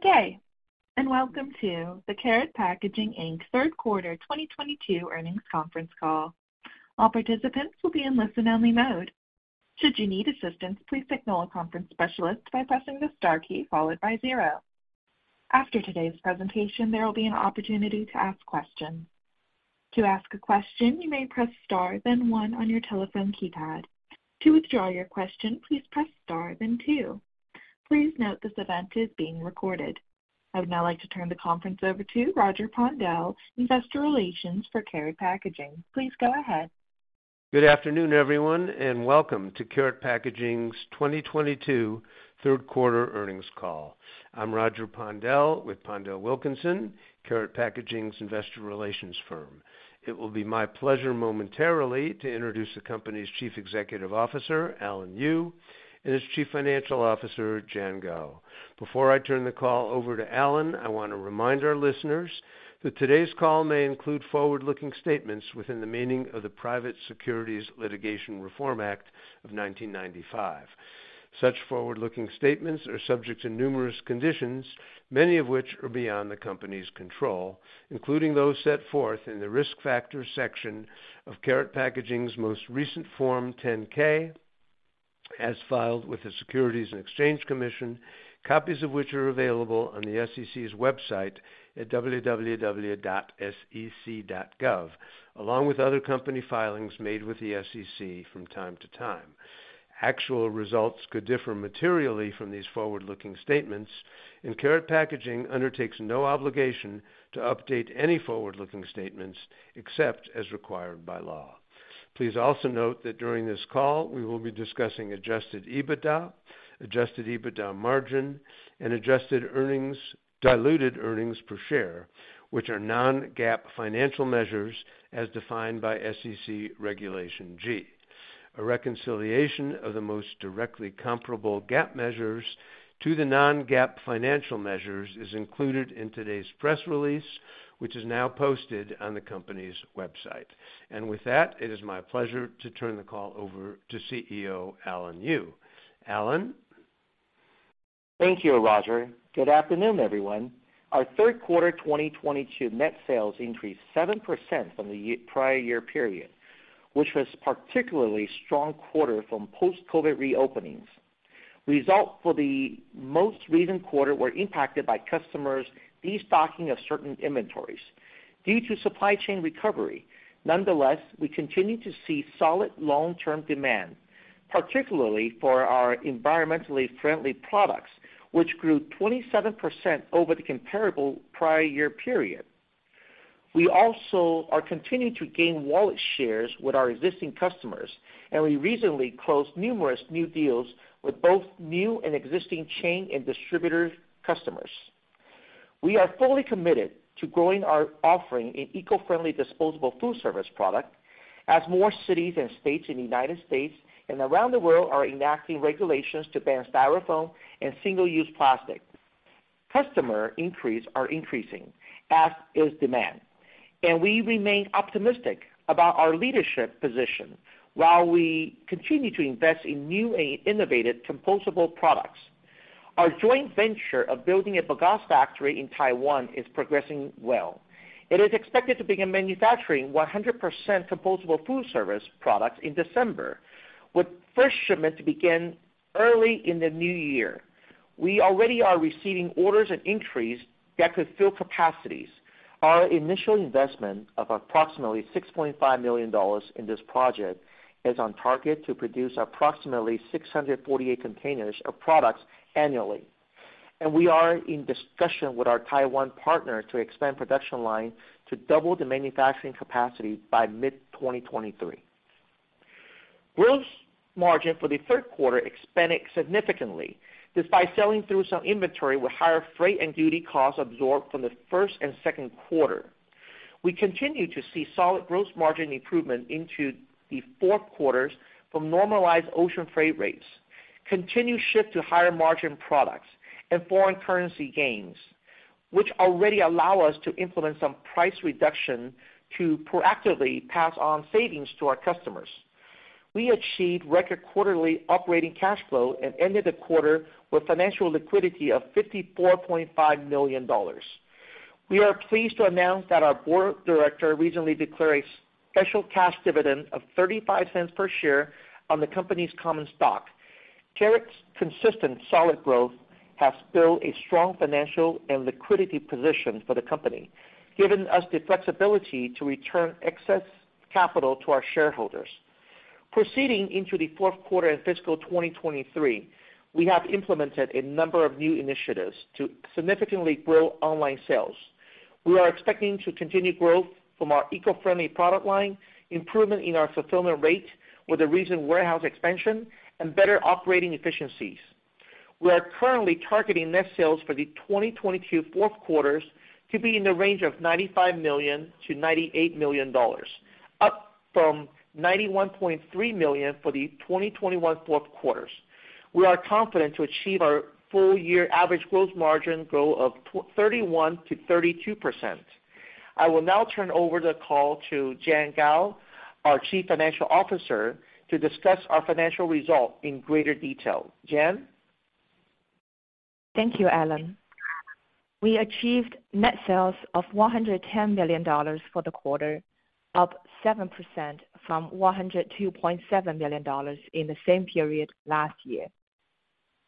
Good day, and welcome to the Karat Packaging Inc. Q3 2022 Earnings Conference Call. All participants will be in listen-only mode. Should you need assistance, please signal a conference specialist by pressing the star key followed by zero. After today's presentation, there will be an opportunity to ask questions. To ask a question, you may press star then one on your telephone keypad. To withdraw your question, please press star then two. Please note this event is being recorded. I would now like to turn the conference over to Roger Pondel, Investor Relations for Karat Packaging. Please go ahead. Good afternoon, everyone, and welcome to Karat Packaging's 2022 Q3 Earnings Call. I'm Roger Pondel with PondelWilkinson Inc., Karat Packaging's Investor Relations firm. It will be my pleasure momentarily to introduce the company's Chief Executive Officer, Alan Yu, and its Chief Financial Officer, Jian Guo. Before I turn the call over to Alan, I wanna remind our listeners that today's call may include forward-looking statements within the meaning of the Private Securities Litigation Reform Act of 1995. Such forward-looking statements are subject to numerous conditions, many of which are beyond the company's control, including those set forth in the Risk Factors section of Karat Packaging's most recent Form 10-K as filed with the Securities and Exchange Commission, copies of which are available on the SEC's website at www.sec.gov, along with other company filings made with the SEC from time to time. Actual results could differ materially from these forward-looking statements, and Karat Packaging undertakes no obligation to update any forward-looking statements except as required by law. Please also note that during this call, we will be discussing adjusted EBITDA, adjusted EBITDA margin, and adjusted diluted earnings per share, which are non-GAAP financial measures as defined by SEC Regulation G. A reconciliation of the most directly comparable GAAP measures to the non-GAAP financial measures is included in today's press release, which is now posted on the company's website. With that, it is my pleasure to turn the call over to CEO Alan Yu. Alan? Thank you, Roger. Good afternoon, everyone. Our Q3 2022 net sales increased 7% from the prior year period, which was particularly strong quarter from post-COVID reopenings. Results for the most recent quarter were impacted by customers destocking of certain inventories due to supply chain recovery. Nonetheless, we continue to see solid long-term demand, particularly for our environmentally friendly products, which grew 27% over the comparable prior year period. We also are continuing to gain wallet shares with our existing customers, and we recently closed numerous new deals with both new and existing chain and distributor customers. We are fully committed to growing our offering in eco-friendly disposable food service product as more cities and states in the United States and around the world are enacting regulations to ban Styrofoam and single-use plastic. Customer increase are increasing as is demand, and we remain optimistic about our leadership position while we continue to invest in new and innovative compostable products. Our joint venture of building a bagasse factory in Taiwan is progressing well. It is expected to begin manufacturing 100% compostable food service products in December, with first shipment to begin early in the new year. We already are receiving orders and inquiries that could fill capacities. Our initial investment of approximately $6.5 million in this project is on target to produce approximately 648 containers of products annually. We are in discussion with our Taiwan partner to expand production line to double the manufacturing capacity by mid-2023. Gross margin for the Q3 expanded significantly, despite selling through some inventory with higher freight and duty costs absorbed from the first and second quarter. We continue to see solid gross margin improvement into the fourth quarters from normalized ocean freight rates, continued shift to higher-margin products and foreign currency gains, which already allow us to implement some price reduction to proactively pass on savings to our customers. We achieved record quarterly operating cash flow and ended the quarter with financial liquidity of $54.5 million. We are pleased to announce that our board of directors recently declared a special cash dividend of $0.35 per share on the company's common stock. Karat's consistent solid growth has built a strong financial and liquidity position for the company, giving us the flexibility to return excess capital to our shareholders. Proceeding into the Q4 in fiscal 2023, we have implemented a number of new initiatives to significantly grow online sales. We are expecting to continue growth from our eco-friendly product line, improvement in our fulfillment rate with the recent warehouse expansion, and better operating efficiencies. We are currently targeting net sales for the 2022 Q4s to be in the range of $95 million-$98 million, up from $91.3 million for the 2021 Q4s. We are confident to achieve our full year average gross margin growth of 31%-32%. I will now turn over the call to Jian Guo, our Chief Financial Officer, to discuss our financial results in greater detail. Jian? Thank you, Alan. We achieved net sales of $110 million for the quarter, up 7% from $102.7 million in the same period last year.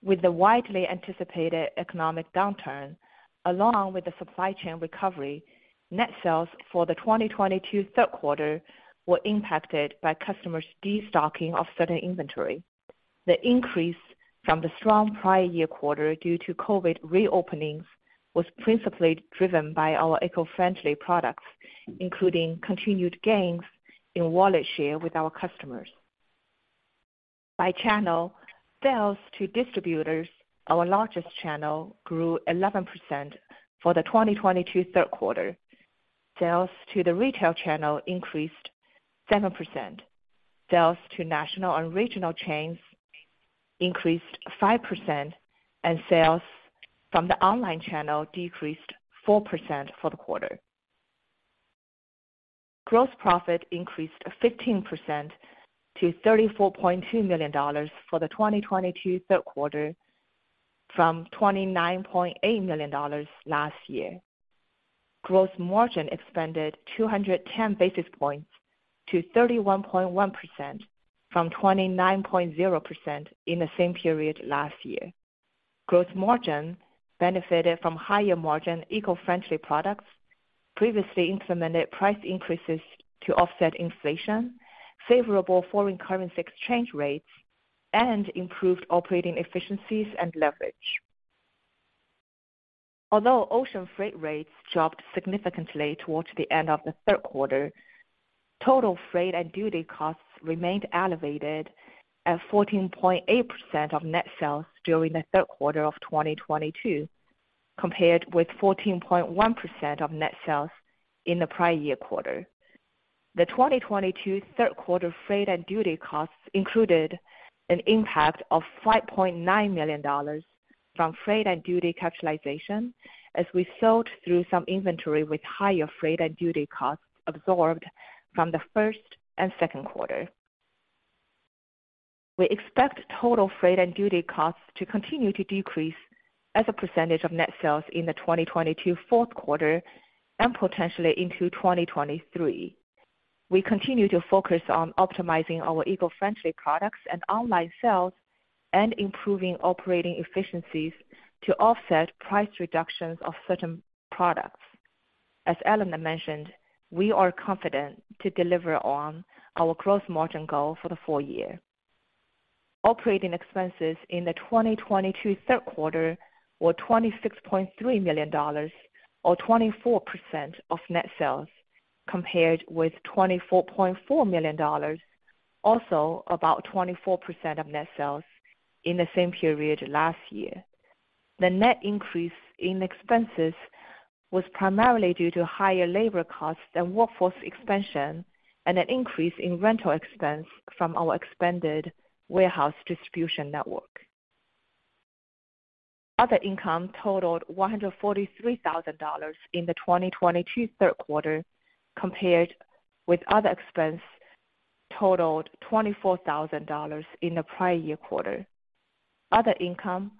With the widely anticipated economic downturn, along with the supply chain recovery, net sales for the 2022 Q3 were impacted by customers destocking of certain inventory. The increase from the strong prior year quarter due to COVID reopenings was principally driven by our eco-friendly products, including continued gains in wallet share with our customers. By channel, sales to distributors, our largest channel, grew 11% for the 2022 Q3. Sales to the retail channel increased 7%. Sales to national and regional chains increased 5%, and sales from the online channel decreased 4% for the quarter. Gross profit increased 15% to $34.2 million for the 2022 Q3 from $29.8 million last year. Gross margin expanded 210 basis points to 31.1% from 29.0% in the same period last year. Gross margin benefited from higher margin eco-friendly products, previously implemented price increases to offset inflation, favorable foreign currency exchange rates, and improved operating efficiencies and leverage. Although ocean freight rates dropped significantly towards the end of the Q3, total freight and duty costs remained elevated at 14.8% of net sales during the Q3 of 2022, compared with 14.1% of net sales in the prior year quarter. The 2022 Q3 freight and duty costs included an impact of $5.9 million from freight and duty capitalization as we sold through some inventory with higher freight and duty costs absorbed from the first and second quarter. We expect total freight and duty costs to continue to decrease as a percentage of net sales in the 2022 Q4 and potentially into 2023. We continue to focus on optimizing our eco-friendly products and online sales and improving operating efficiencies to offset price reductions of certain products. As Alan mentioned, we are confident to deliver on our growth margin goal for the full year. Operating expenses in the 2022 Q3 were $26.3 million or 24% of net sales, compared with $24.4 million, also about 24% of net sales in the same period last year. The net increase in expenses was primarily due to higher labor costs from workforce expansion and an increase in rental expense from our expanded warehouse distribution network. Other income totaled $143,000 in the 2022 Q3, compared with other expense totaled $24,000 in the prior year quarter. Other income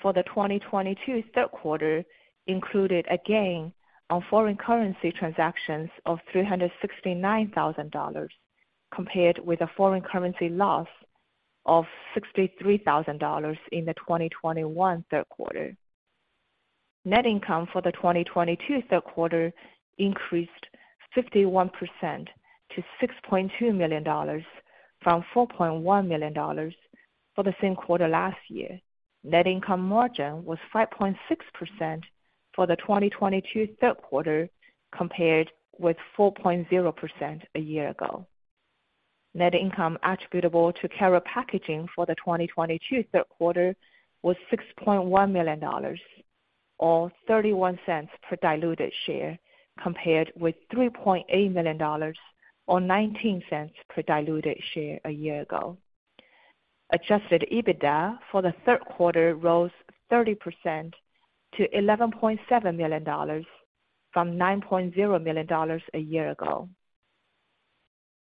for the 2022 Q3 included a gain on foreign currency transactions of $369,000, compared with a foreign currency loss of $63,000 in the 2021 Q3. Net income for the 2022 Q3 increased 51% to $6.2 million from $4.1 million for the same quarter last year. Net income margin was 5.6% for the 2022 Q3, compared with 4.0% a year ago. Net income attributable to Karat Packaging for the 2022 Q3 was $6.1 million or $0.31 per diluted share, compared with $3.8 million or $0.19 per diluted share a year ago. Adjusted EBITDA for the Q3 rose 30% to $11.7 million from $9.0 million a year ago.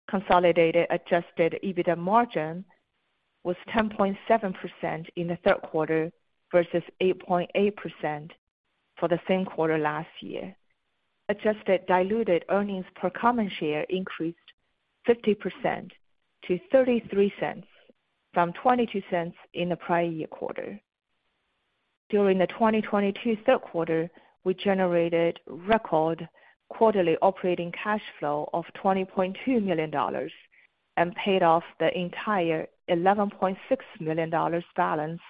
Consolidated adjusted EBITDA margin was 10.7% in the third quarter versus 8.8% for the same quarter last year. Adjusted diluted earnings per common share increased 50% to $0.33 from $0.22 in the prior year quarter. During the 2022 Q3, we generated record quarterly operating cash flow of $20.2 million and paid off the entire $11.6 million balance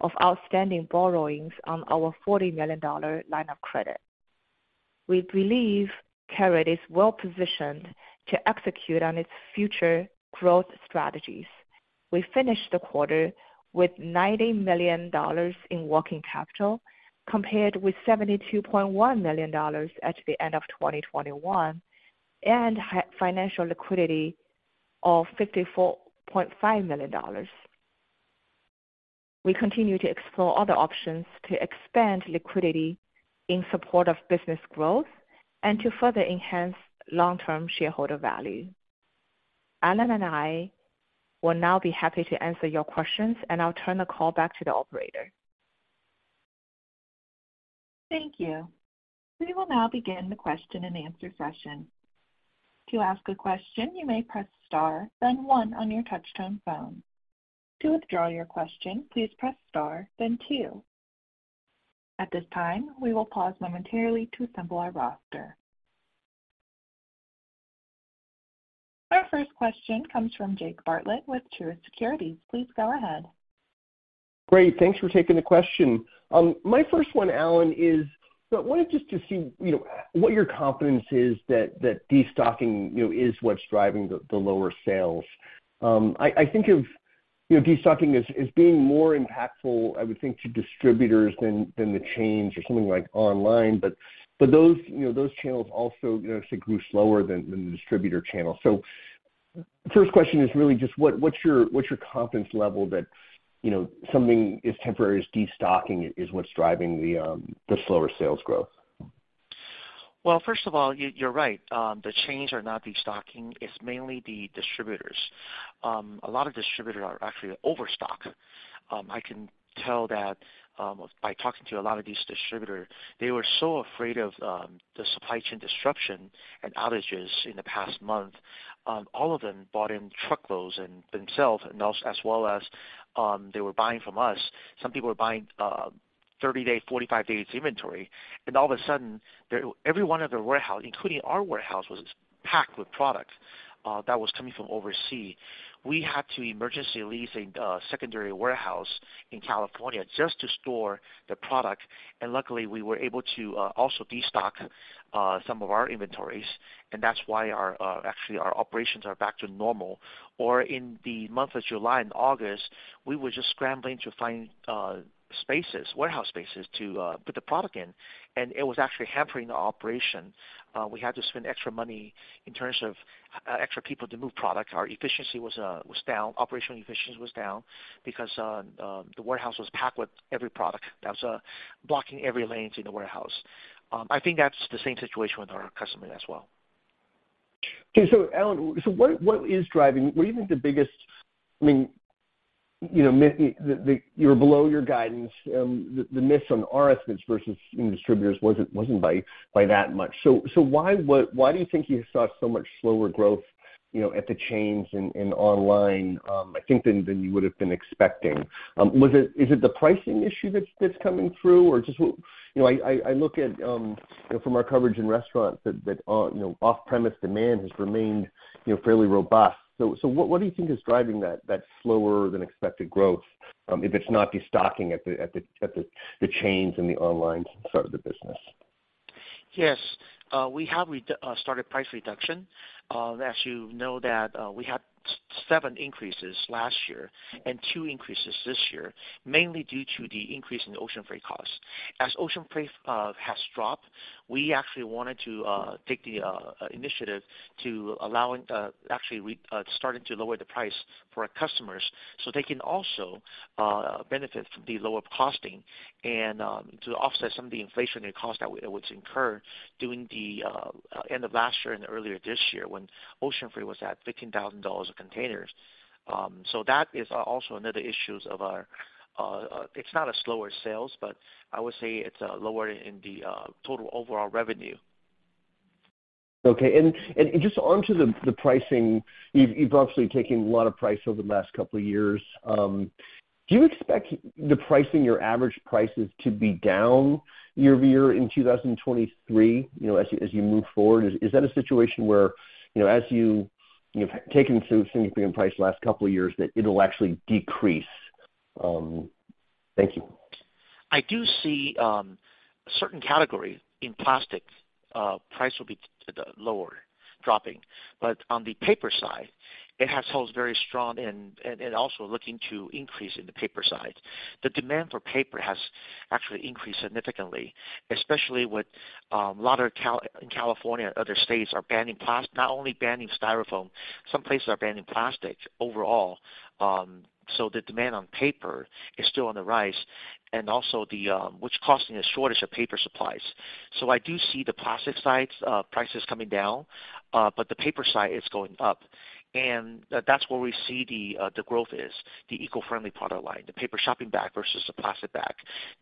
of outstanding borrowings on our $40 million line of credit. We believe Karat is well positioned to execute on its future growth strategies. We finished the quarter with $90 million in working capital, compared with $72.1 million at the end of 2021, and financial liquidity of $54.5 million. We continue to explore other options to expand liquidity in support of business growth and to further enhance long-term shareholder value. Alan and I will now be happy to answer your questions, and I'll turn the call back to the operator. Thank you. We will now begin the question-and-answer session. To ask a question, you may press star then one on your touchtone phone. To withdraw your question, please press star then two. At this time, we will pause momentarily to assemble our roster. Our first question comes from Jake Bartlett with Truist Securities. Please go ahead. Great. Thanks for taking the question. My first one, Alan, is so I wanted just to see, you know, what your confidence is that destocking, you know, is what's driving the lower sales. I think of, you know, destocking as being more impactful, I would think, to distributors than the chains or something like online. Those channels also, you know, I think grew slower than the distributor channel. First question is really just what's your confidence level that, you know, something as temporary as destocking is what's driving the slower sales growth? Well, first of all, you're right. The chains are not destocking. It's mainly the distributors. A lot of distributors are actually overstocked. I can tell that by talking to a lot of these distributors. They were so afraid of the supply chain disruption and outages in the past month, all of them bought truckloads for themselves and also, as well as, they were buying from us. Some people were buying 30-day, 45-day inventory, and all of a sudden every one of their warehouses, including our warehouse, was packed with product that was coming from overseas. We had to emergently lease a secondary warehouse in California just to store the product. Luckily, we were able to also destock some of our inventories, and that's why actually our operations are back to normal. In the month of July and August, we were just scrambling to find spaces, warehouse spaces to put the product in, and it was actually hampering our operation. We had to spend extra money in terms of extra people to move product. Our efficiency was down. Operational efficiency was down because the warehouse was packed with every product that was blocking every lanes in the warehouse. I think that's the same situation with our customers as well. Alan, what do you think the biggest? I mean, you know, the miss. The, you're below your guidance. The miss on our estimates versus in distributors wasn't by that much. Why do you think you saw so much slower growth, you know, at the chains and online, I think than you would've been expecting? Is it the pricing issue that's coming through? Or just what, you know, I look at, you know, from our coverage in restaurants that, you know, off-premise demand has remained, you know, fairly robust. What do you think is driving that slower than expected growth, if it's not destocking at the chains and the online side of the business? Yes. We have started price reduction. As you know that, we had seven increases last year and two increases this year, mainly due to the increase in ocean freight costs. As ocean freight has dropped, we actually wanted to take the initiative to allow, actually we're starting to lower the price for our customers so they can also benefit from the lower costs and to offset some of the inflationary costs that was incurred during the end of last year and earlier this year when ocean freight was at $15,000 a container. That is also another issue of ours. It's not slower sales, but I would say it's lower in the total overall revenue. Okay. Just onto the pricing, you've obviously taken a lot of price over the last couple of years. Do you expect the pricing, your average prices to be down year-over-year in 2023, you know, as you move forward? Is that a situation where, you know, as you've taken significant price the last couple of years, that it'll actually decrease? Thank you. I do see certain categories in plastic price will be lower, dropping. On the paper side, it has held very strong and also looking to increase in the paper side. The demand for paper has actually increased significantly, especially with a lot in California and other states are banning not only banning Styrofoam, some places are banning plastic overall. The demand on paper is still on the rise and also the which causing a shortage of paper supplies. I do see the plastic side's prices coming down, but the paper side is going up. That's where we see the growth is, the eco-friendly product line, the paper shopping bag versus the plastic bag.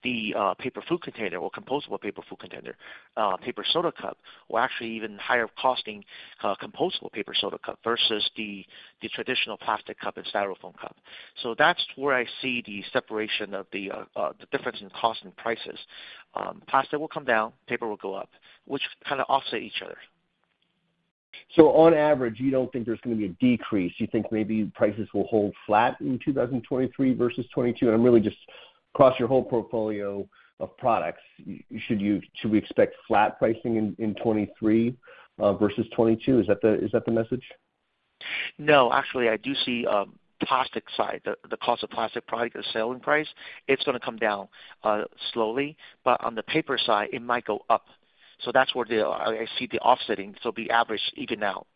The paper food container or compostable paper food container, paper soda cup, or actually even higher costing, compostable paper soda cup versus the traditional plastic cup and Styrofoam cup. That's where I see the separation of the difference in cost and prices. Plastic will come down, paper will go up, which kinda offset each other. On average, you don't think there's gonna be a decrease. You think maybe prices will hold flat in 2023 versus 2022? Really just across your whole portfolio of products, should we expect flat pricing in 2023 versus 2022? Is that the message? No. Actually, I do see plastic side, the cost of plastic product, the selling price, it's gonna come down slowly. On the paper side, it might go up. That's where I see the offsetting. The average even out.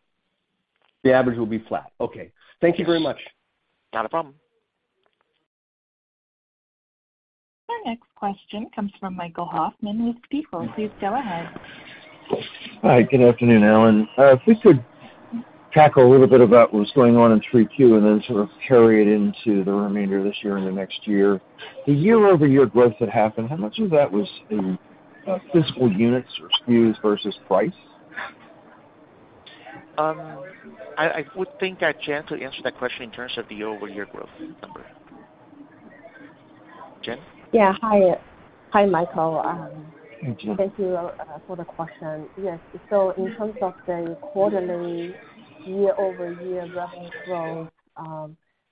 The average will be flat. Okay. Thank you very much. Not a problem. Our next question comes from Michael Hoffman with Stifel. Please go ahead. Hi. Good afternoon, Alan. If we could tackle a little bit about what's going on in Q3 and then sort of carry it into the remainder of this year and the next year. The year-over-year growth that happened, how much of that was in physical units or SKUs versus price? I would think that Jian could answer that question in terms of the year-over-year growth number. Jian? Yeah. Hi. Hi, Michael. Hi, Jian. Thank you for the question. Yes. In terms of the quarterly year-over-year growth,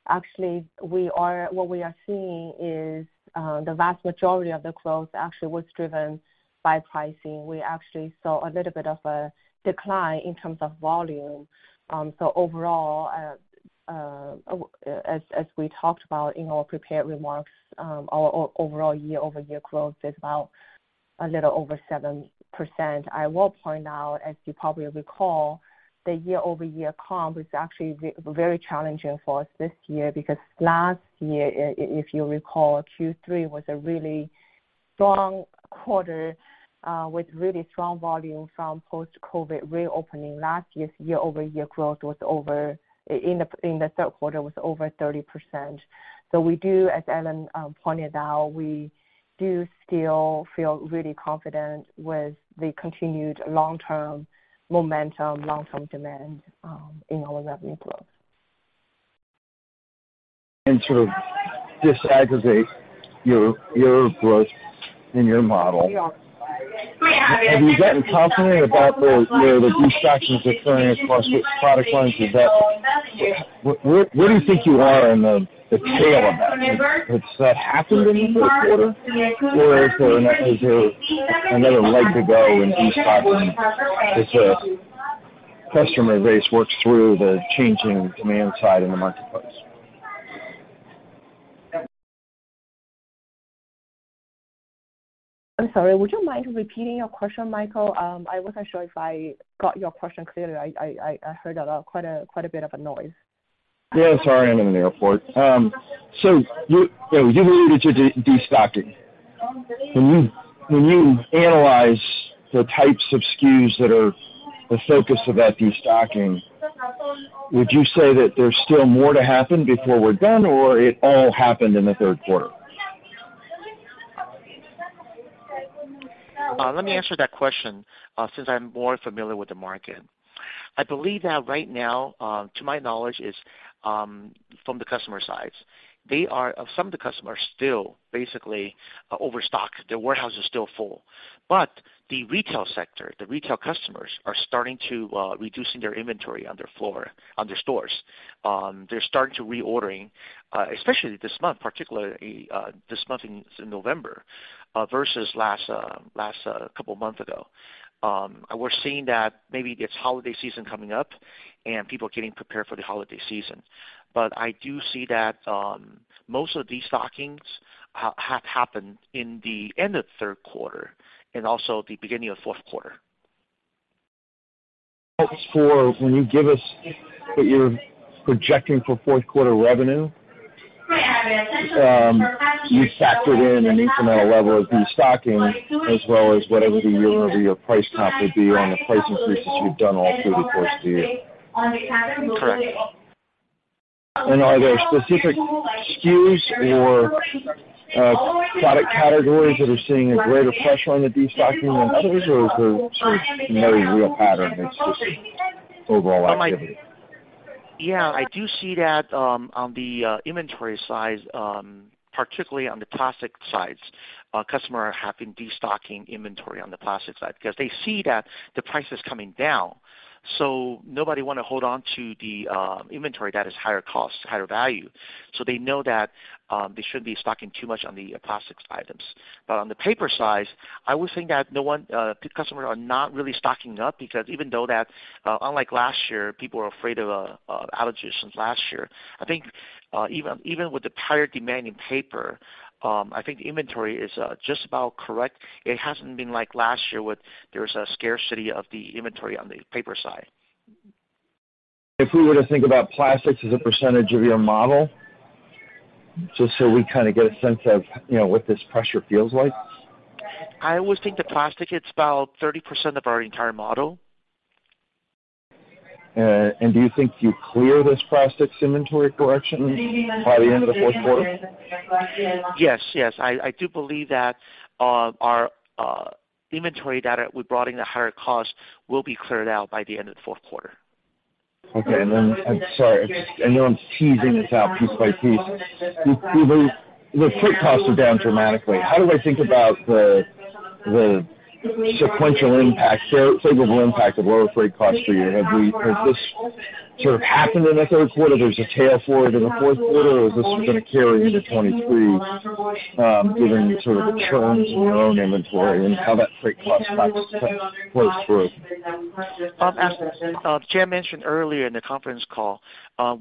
actually what we are seeing is, the vast majority of the growth actually was driven by pricing. We actually saw a little bit of a decline in terms of volume. Overall, as we talked about in our prepared remarks, our overall year-over-year growth is about a little over 7%. I will point out, as you probably recall, the year-over-year comp is actually very challenging for us this year because last year, if you recall, Q3 was a really strong quarter, with really strong volume from post-COVID reopening. Last year's year-over-year growth in the third quarter was over 30%. We do, as Alan pointed out, we do still feel really confident with the continued long-term momentum, long-term demand, in our revenue growth. To disaggregate your growth in your model, have you gotten confident about the disruptions occurring across which product lines? Is that where you think you are in the tail of that? Has that happened in the fourth quarter? Or is there another leg to go in these patterns as customer base works through the changing demand side in the marketplace? I'm sorry, would you mind repeating your question, Michael? I wasn't sure if I got your question clearly. I heard quite a bit of a noise. Yeah, sorry, I'm in an airport. You alluded to destocking. When you analyze the types of SKUs that are the focus of that destocking, would you say that there's still more to happen before we're done or it all happened in the Q3? Let me answer that question, since I'm more familiar with the market. I believe that right now, to my knowledge is, from the customer sides, some of the customers still basically overstock. Their warehouse is still full. The retail sector, the retail customers are starting to reducing their inventory on their floor, on their stores. They're starting to reordering, especially this month, particularly, this month in November, versus last couple of months ago. We're seeing that maybe it's holiday season coming up and people are getting prepared for the holiday season. I do see that, most of destocking has happened in the end of Q3 and also the beginning of Q4. For when you give us what you're projecting for Q4 revenue, you factored in an incremental level of destocking as well as whatever the year-over-year price comp would be on the price increases you've done all through the course of the year. Correct. Are there specific SKUs or product categories that are seeing a greater pressure on the destocking than others or sort of no real pattern, it's just overall activity? Yeah, I do see that, on the inventory side, particularly on the plastic sides, customer have been destocking inventory on the plastic side because they see that the price is coming down, so nobody wanna hold on to the inventory that is higher cost, higher value. They know that, they shouldn't be stocking too much on the plastics items. On the paper side, I would think that the customer are not really stocking up because even though that, unlike last year, people are afraid of outages since last year, I think, even with the higher demand in paper, I think inventory is just about correct. It hasn't been like last year where there was a scarcity of the inventory on the paper side. If we were to think about plastics as a percentage of your model, just so we kinda get a sense of, you know, what this pressure feels like. I would think the plastic, it's about 30% of our entire model. Do you think you clear this plastics inventory correction by the end of the Q4? Yes. I do believe that our inventory that we brought in at higher cost will be cleared out by the end of the Q4. Okay. I'm sorry. I know I'm teasing this out piece by piece. Are the freight costs down dramatically? How do I think about the sequential impact, favorable impact of lower freight costs for you? Has this sort of happened in the Q3? There's a tailwind in the Q4, or is this gonna carry into 2023, given sort of the churns in your own inventory and how that freight cost price plays through? As Jian mentioned earlier in the conference call,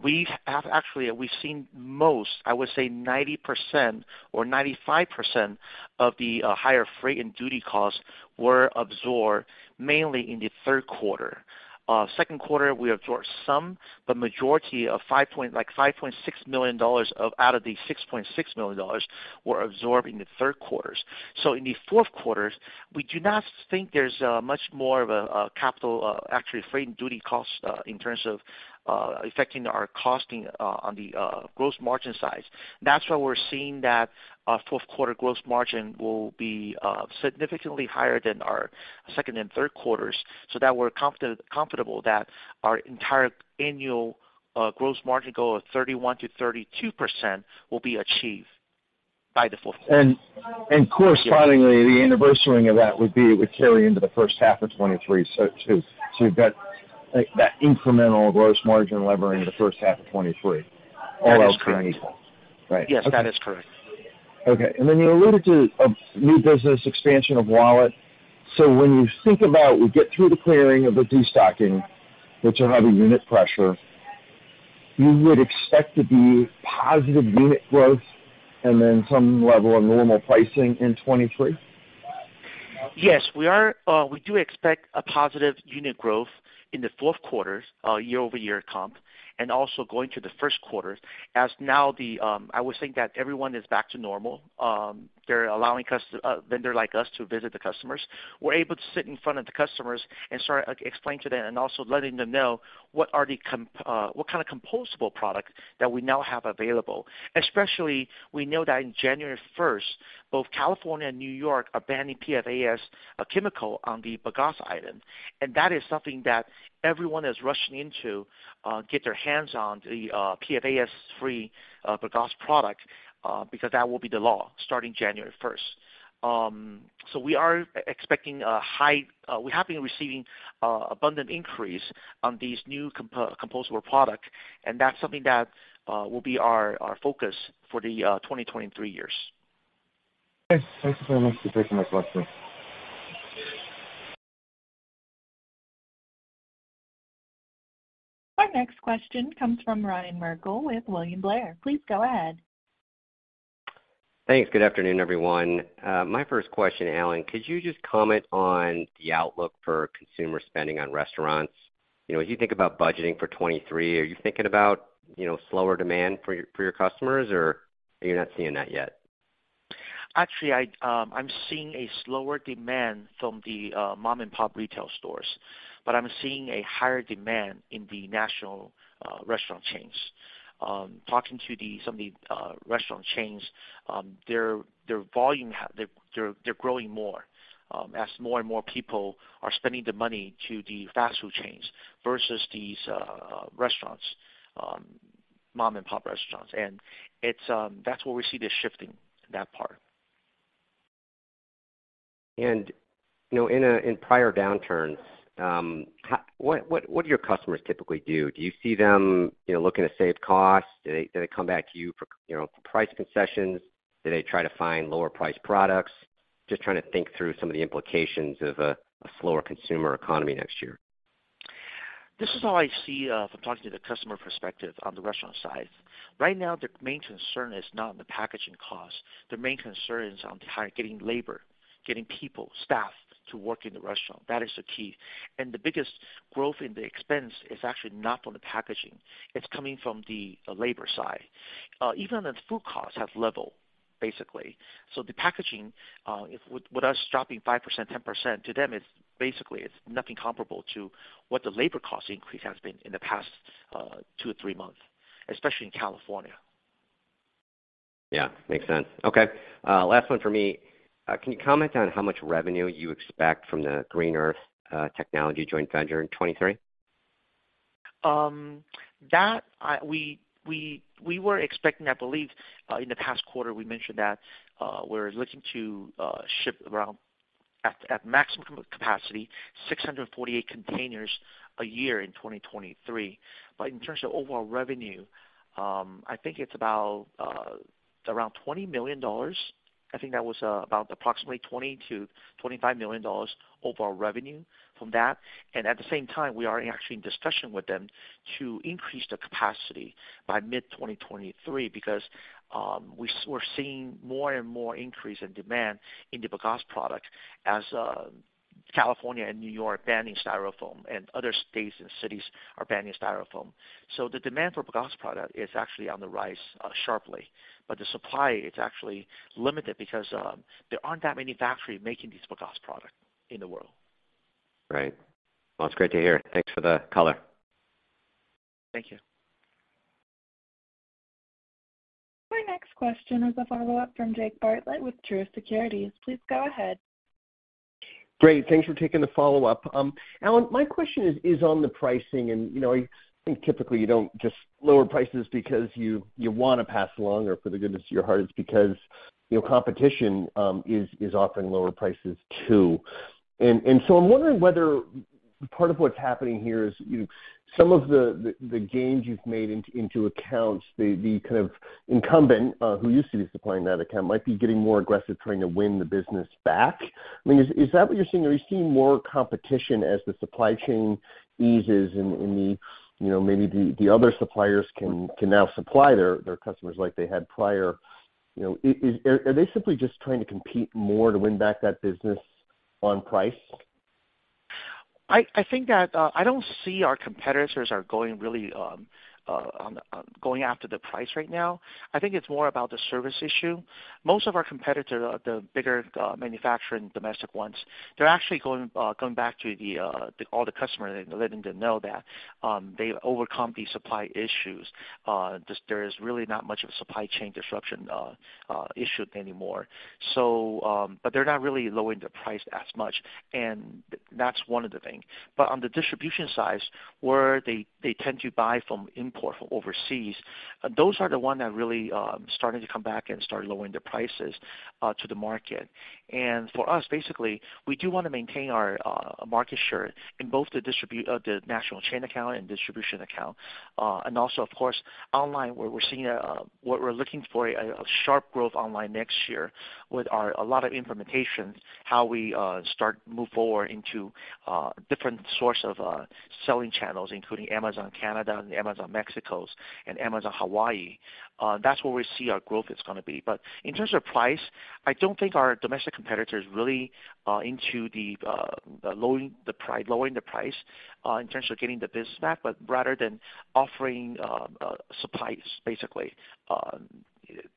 we've seen most, I would say 90% or 95% of the higher freight and duty costs were absorbed mainly in the Q3. Q2, we absorbed some, but majority of $5.6 million out of the $6.6 million were absorbed in the Q3. In the Q4, we do not think there's much more, actually, freight and duty costs in terms of affecting our costing on the gross margin side. That's why we're seeing that Q4 gross margin will be significantly higher than our second and third quarters, so that we're confident, comfortable that our entire annual gross margin goal of 31%-32% will be achieved by the Q4. Correspondingly, the anniversaring of that would be it would carry into the H1 of 2023. You've got, like, that incremental gross margin leveraging in the H1 of 2023 all else being equal, right? Yes, that is correct. Okay. Then you alluded to a new business expansion of Walmart. When you think about we get through the clearing of the destocking, which will have a unit pressure, you would expect to be positive unit growth and then some level of normal pricing in 2023? Yes, we are, we do expect a positive unit growth in the Q4s, year over year comp, and also going to the Q1 as now the, I would think that everyone is back to normal. They're allowing us, vendor like us to visit the customers. We're able to sit in front of the customers and start, like, explain to them and also letting them know what kind of compostable product that we now have available. Especially we know that in January 1st, both California and New York are banning PFAS chemical on the bagasse item. That is something that everyone is rushing in to get their hands on the PFAS-free bagasse product, because that will be the law starting January 1st. We are expecting a high we have been receiving abundant increase on these new compostable product, and that's something that will be our focus for the 2023 years. Okay, thank you very much for taking my question. Our next question comes from Ryan Merkel with William Blair. Please go ahead. Thanks. Good afternoon, everyone. My first question, Alan, could you just comment on the outlook for consumer spending on restaurants? You know, as you think about budgeting for 2023, are you thinking about, you know, slower demand for your customers, or are you not seeing that yet? Actually, I'm seeing a slower demand from the mom-and-pop retail stores, but I'm seeing a higher demand in the national restaurant chains. Talking to some of the restaurant chains, they're growing more, as more and more people are spending the money to the fast food chains versus these restaurants, mom-and-pop restaurants. That's where we see this shifting, that part. You know, in prior downturns, what do your customers typically do? Do you see them, you know, looking to save costs? Do they come back to you for, you know, price concessions? Do they try to find lower priced products? Just trying to think through some of the implications of a slower consumer economy next year. This is how I see from talking to the customer perspective on the restaurant side. Right now, their main concern is not the packaging cost. Their main concern is on hiring, getting labor, getting people, staff to work in the restaurant. That is the key. The biggest growth in the expense is actually not on the packaging. It's coming from the labor side. Even the food costs have leveled basically. The packaging, if with us dropping 5%, 10%, to them, it's basically nothing comparable to what the labor cost increase has been in the past two or three months, especially in California. Yeah. Makes sense. Okay, last one for me. Can you comment on how much revenue you expect from the Green Earth Technology joint venture in 2023? We were expecting, I believe, in the past quarter, we mentioned that we're looking to ship around at maximum capacity, 648 containers a year in 2023. In terms of overall revenue, I think it's about around $20 million. I think that was about approximately $20-$25 million overall revenue from that. At the same time, we are actually in discussion with them to increase the capacity by mid-2023 because we're seeing more and more increase in demand in the bagasse product as California and New York banning Styrofoam and other states and cities are banning Styrofoam. The demand for bagasse product is actually on the rise sharply. The supply is actually limited because there aren't that many factories making these bagasse product in the world. Right. Well, it's great to hear. Thanks for the color. Thank you. Our next question is a follow-up from Jake Bartlett with Truist Securities. Please go ahead. Great. Thanks for taking the follow-up. Alan, my question is on the pricing, and you know, I think typically you don't just lower prices because you wanna pass along or for the goodness to your heart. It's because, you know, competition is often lowering prices, too. So I'm wondering whether part of what's happening here is some of the gains you've made into accounts, the kind of incumbent who used to be supplying that account might be getting more aggressive trying to win the business back. I mean, is that what you're seeing? Are you seeing more competition as the supply chain eases and the, you know, maybe the other suppliers can now supply their customers like they had prior? You know, are they simply just trying to compete more to win back that business on price? I think that I don't see our competitors going after the price right now. I think it's more about the service issue. Most of our competitors, the bigger manufacturing domestic ones, they're actually going back to all the customers and letting them know that they overcome the supply issues. Just that there is really not much of a supply chain disruption issue anymore. They're not really lowering the price as much, and that's one of the things. On the distribution side, where they tend to buy from importers from overseas, those are the ones that really starting to come back and start lowering their prices to the market. For us, basically, we do wanna maintain our market share in both the national chain account and distribution account. Also, of course, online, what we're looking for is sharp growth online next year with a lot of implementations, how we start to move forward into different sources of selling channels, including Amazon Canada and Amazon Mexico and Amazon Hawaii. That's where we see our growth is gonna be. In terms of price, I don't think our domestic competitors really are into lowering the price in terms of getting the business back, but rather than offering supplies, basically.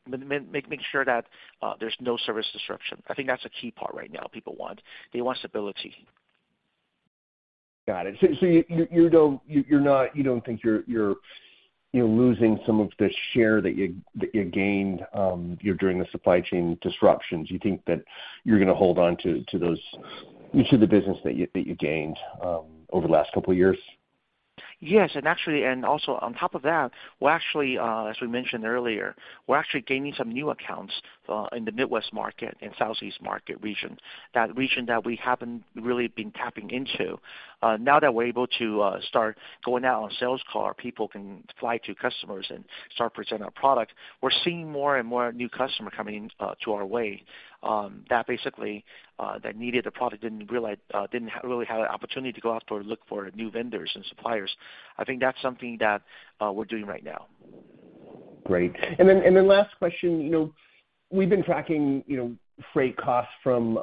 Make sure that there's no service disruption. I think that's a key part right now, people want. They want stability. Got it. You don't think you're losing some of the share that you gained, you know, during the supply chain disruptions? You think that you're gonna hold on to those, the business that you gained over the last couple of years? Yes. Actually, also on top of that, as we mentioned earlier, we're actually gaining some new accounts in the Midwest market and Southeast market region, that region that we haven't really been tapping into. Now that we're able to start going out on sales call or people can fly to customers and start presenting our product, we're seeing more and more new customer coming to our way, that basically that needed the product, didn't really have an opportunity to go out for, look for new vendors and suppliers. I think that's something that we're doing right now. Great. Last question, you know, we've been tracking, you know, freight costs from,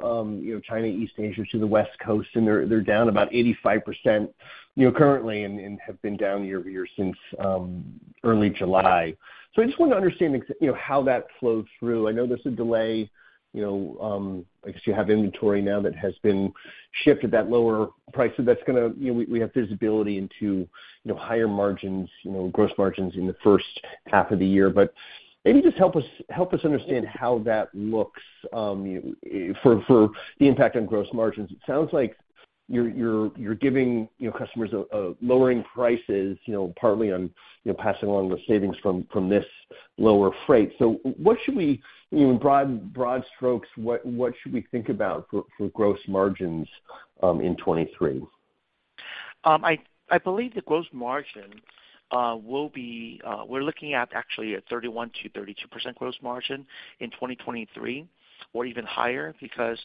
you know, China, East Asia to the West Coast, and they're down about 85% currently and have been down year-over-year since early July. I just wanna understand how that flows through. I know there's a delay, you know, I guess you have inventory now that has been shipped at that lower price. That's gonna. You know, we have visibility into higher margins, you know, gross margins in the first half of the year. Maybe just help us understand how that looks for the impact on gross margins. It sounds like you're giving customers a. Lowering prices, you know, partly on, you know, passing along those savings from this lower freight. What should we, you know, broad strokes, what should we think about for gross margins in 2023? I believe the gross margin will be, we're looking at actually a 31-32% gross margin in 2023 or even higher because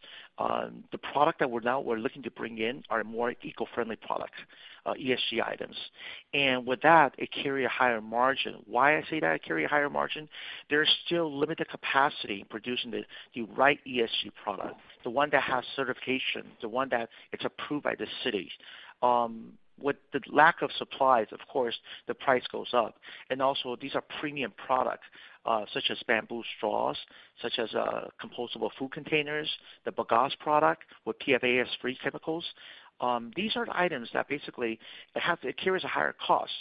the product that we're now looking to bring in are more eco-friendly products, ESG items. With that, it carry a higher margin. Why I say that it carry a higher margin? There's still limited capacity in producing the right ESG product, the one that has certification, the one that it's approved by the city. With the lack of supplies, of course, the price goes up. Also these are premium product, such as bamboo straws, such as compostable food containers, the bagasse product with PFAS-free chemicals. These are items that basically it carries a higher cost.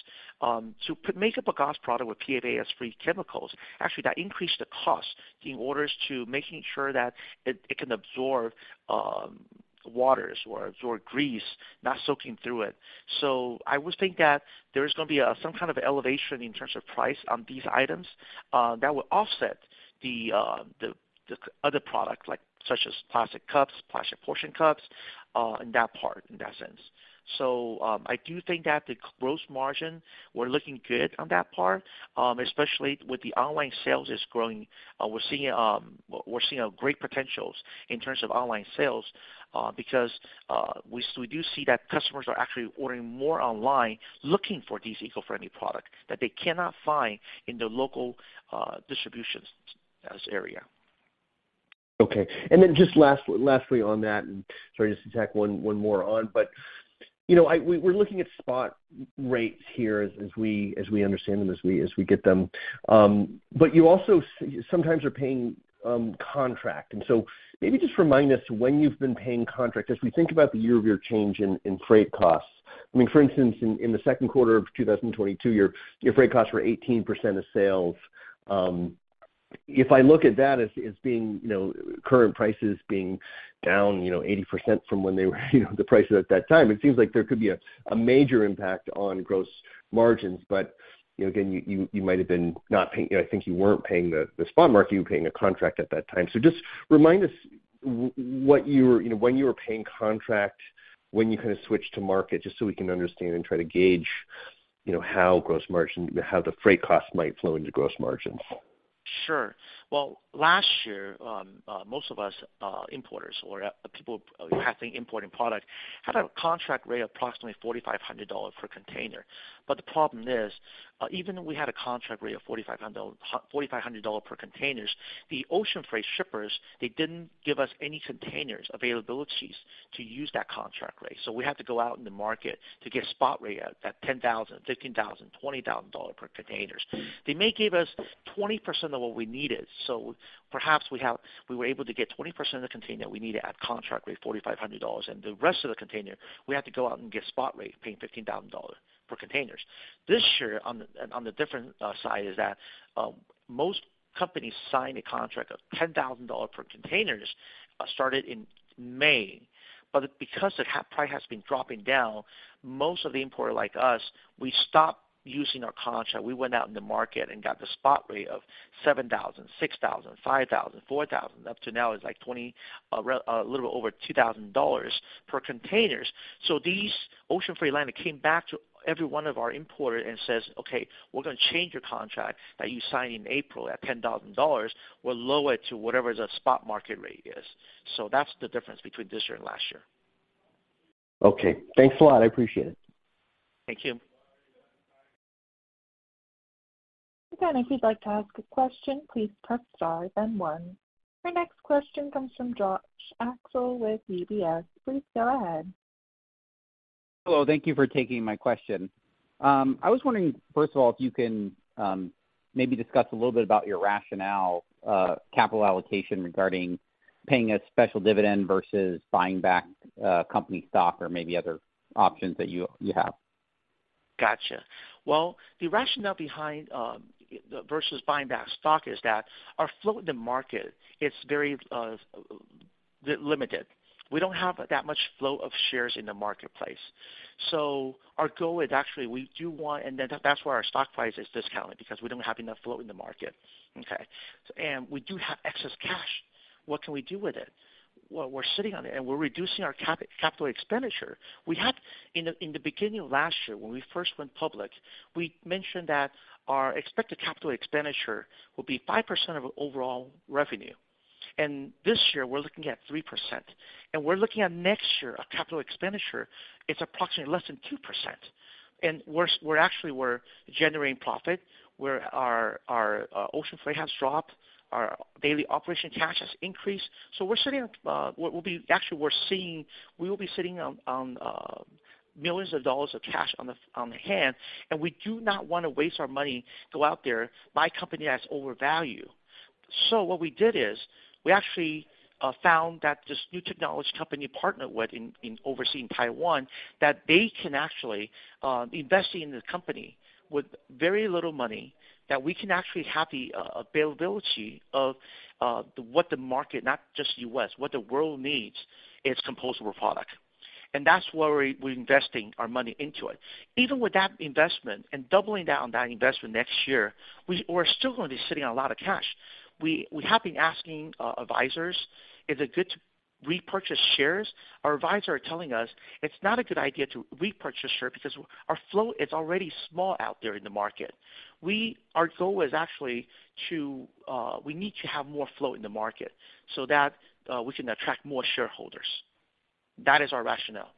To make a bagasse product with PFAS-free chemicals, actually, that increased the cost in order to making sure that it can absorb water or absorb grease, not soaking through it. I would think that there is gonna be some kind of elevation in terms of price on these items that will offset the other products like, such as plastic cups, plastic portion cups, in that part, in that sense. I do think that the gross margin, we're looking good on that part, especially with the online sales is growing. We're seeing a great potential in terms of online sales, because we do see that customers are actually ordering more online, looking for these eco-friendly products that they cannot find in the local distribution area. Okay. Then just last, lastly on that, and sorry, just to tack one more on. You know, we're looking at spot rates here as we understand them, as we get them. But you also sometimes are paying contract. So maybe just remind us when you've been paying contract. We think about the year-over-year change in freight costs. I mean, for instance, in the Q2 of 2022, your freight costs were 18% of sales. If I look at that as being, you know, current prices being down, you know, 80% from when they were, you know, the prices at that time, it seems like there could be a major impact on gross margins. You know, again, you might have been not paying. I think you weren't paying the spot market, you were paying a contract at that time. Just remind us what you were, you know, when you were paying contract, when you kind of switched to market, just so we can understand and try to gauge, you know, how gross margin, how the freight cost might flow into gross margins. Sure. Well, last year, most of us importers or people who are importing product had a contract rate of approximately $4,500 per container. The problem is, even though we had a contract rate of $4,500, $4,500 dollars per containers, the ocean freight shippers, they didn't give us any containers availabilities to use that contract rate. We had to go out in the market to get spot rate at $10,000, $15,000, $20,000 dollar per containers. They may give us 20% of what we needed, so perhaps we were able to get 20% of the container we need at contract rate, $4,500, and the rest of the container, we had to go out and get spot rate, paying $15,000 per containers. This year on the different side is that most companies sign a contract of $10,000 per containers started in May. Because the price has been dropping down, most of the importers like us, we stopped using our contract. We went out in the market and got the spot rate of $7,000, $6,000, $5,000, $4,000, up to now it's like 20, a little over $2,000 per containers. These ocean freight liner came back to every one of our importers and says, "Okay, we're gonna change your contract that you signed in April at $10,000. We'll lower it to whatever the spot market rate is." That's the difference between this year and last year. Okay. Thanks a lot. I appreciate it. Thank you. Again, if you'd like to ask a question, please press star then one. Our next question comes from Josh Spector with UBS. Please go ahead. Hello, thank you for taking my question. I was wondering, first of all, if you can maybe discuss a little bit about your rationale, capital allocation regarding paying a special dividend versus buying back company stock or maybe other options that you have. Gotcha. Well, the rationale behind versus buying back stock is that our float in the market is very limited. We don't have that much float of shares in the marketplace. Our goal is actually we do want. That's where our stock price is discounted because we don't have enough float in the market. Okay? We do have excess cash. What can we do with it? Well, we're sitting on it, and we're reducing our capital expenditure. We had in the beginning of last year when we first went public, we mentioned that our expected capital expenditure will be 5% of overall revenue. This year we're looking at 3%. We're looking at next year, our capital expenditure, it's approximately less than 2%. We're actually generating profit, where our ocean freight has dropped, our daily operation cash has increased. We're sitting. Actually, we're seeing we will be sitting on $ millions of cash on hand, and we do not wanna waste our money to go out there, buy company that's overvalued. What we did is we actually found that this new technology company partner with in Taiwan, that they can actually invest in this company with very little money, that we can actually have the availability of what the market, not just U.S., what the world needs is compostable product. That's where we're investing our money into it. Even with that investment and doubling down on that investment next year, we are still going to be sitting on a lot of cash. We have been asking advisors, is it good to repurchase shares? Our advisors are telling us it's not a good idea to repurchase shares because our flow is already small out there in the market. Our goal is actually to have more flow in the market so that we can attract more shareholders. That is our rationale.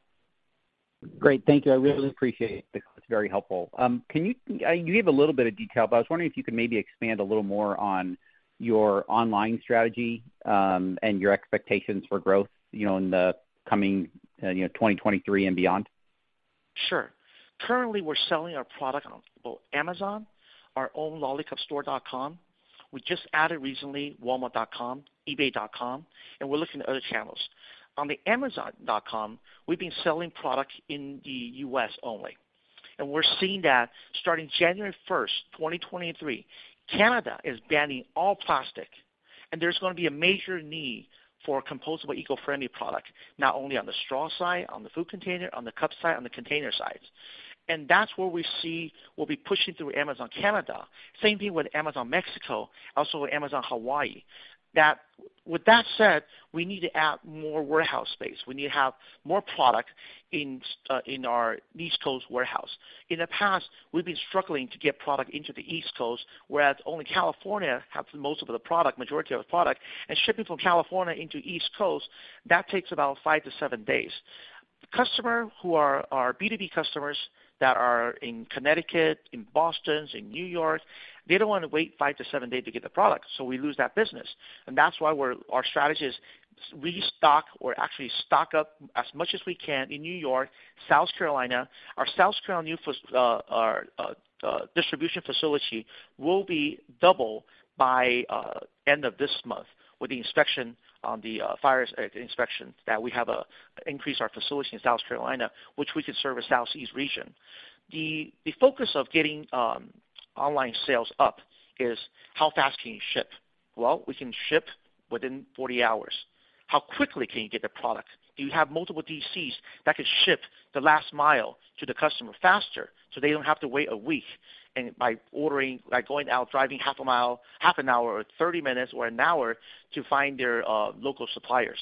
Great. Thank you. I really appreciate it. It's very helpful. You gave a little bit of detail, but I was wondering if you could maybe expand a little more on your online strategy, and your expectations for growth, you know, in the coming, 2023 and beyond? Sure. Currently, we're selling our product on both Amazon, our own lollicupstore.com. We just added recently Walmart.com, eBay.com, and we're looking at other channels. On the Amazon.com, we've been selling product in the U.S. only. We're seeing that starting January 1st, 2023, Canada is banning all plastic, and there's gonna be a major need for compostable eco-friendly product, not only on the straw side, on the food container, on the cup side, on the container sides. That's where we see we'll be pushing through Amazon Canada. Same thing with Amazon Mexico, also with Amazon Hawaii. With that said, we need to add more warehouse space. We need to have more product in our East Coast warehouse. In the past, we've been struggling to get product into the East Coast, whereas only California has the most of the product, majority of the product. Shipping from California into East Coast, that takes about 5-7 days. Customers who are our B2B customers that are in Connecticut, in Boston, in New York, they don't wanna wait five-seven days to get the product, so we lose that business. That's why our strategy is restock or actually stock up as much as we can in New York, South Carolina. Our South Carolina distribution facility will be double by end of this month with the inspection on the fire inspection that we have increased our facility in South Carolina, which we could serve as Southeast region. The focus of getting Online sales up is how fast can you ship? Well, we can ship within 40 hours. How quickly can you get the product? Do you have multiple DCs that could ship the last mile to the customer faster, so they don't have to wait a week and by ordering, like, going out, driving half a mile, half an hour or 30 minutes or an hour to find their local suppliers.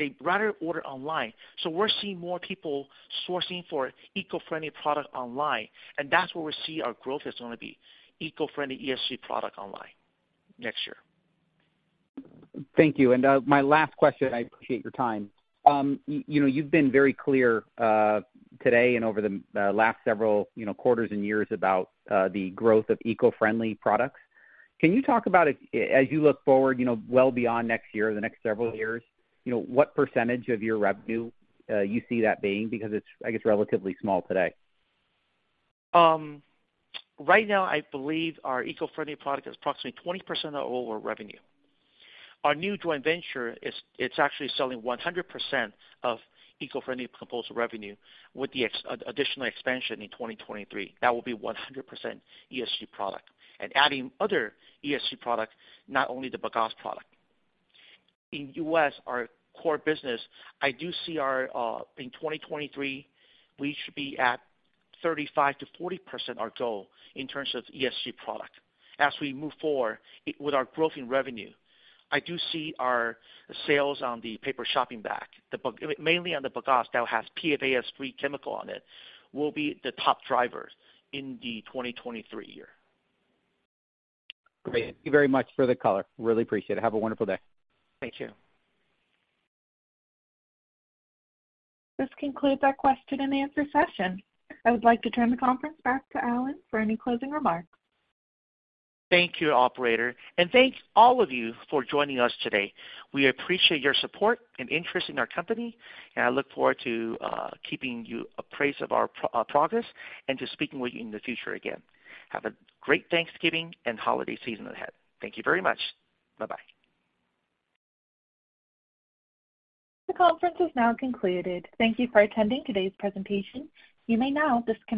They'd rather order online. We're seeing more people sourcing for eco-friendly product online, and that's where we see our growth is gonna be, eco-friendly ESG product online next year. Thank you. My last question, I appreciate your time. You know, you've been very clear today and over the last several, you know, quarters and years about the growth of eco-friendly products. Can you talk about as you look forward, you know, well beyond next year or the next several years, you know, what percentage of your revenue you see that being because it's, I guess, relatively small today? Right now, I believe our eco-friendly product is approximately 20% of all our revenue. Our new joint venture it's actually selling 100% of eco-friendly compostable revenue with the additional expansion in 2023. That will be 100% ESG product. Adding other ESG products, not only the bagasse product. In U.S., our core business, I do see our, in 2023, we should be at 35%-40%, our goal in terms of ESG product. As we move forward with our growth in revenue, I do see our sales on the paper shopping bag, mainly on the bagasse that has PFAS-free chemical on it, will be the top drivers in the 2023 year. Great. Thank you very much for the color. Really appreciate it. Have a wonderful day. Thank you. This concludes our question and answer session. I would like to turn the conference back to Alan for any closing remarks. Thank you, operator, and thanks all of you for joining us today. We appreciate your support and interest in our company, and I look forward to keeping you apprised of our progress and to speaking with you in the future again. Have a great Thanksgiving and holiday season ahead. Thank you very much. Bye-bye. The conference is now concluded. Thank you for attending today's presentation. You may now disconnect.